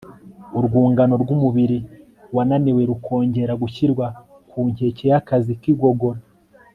urwungano rw'umubiri wananiwe rukongera gushyirwa ku nkeke y'akazi k'igogora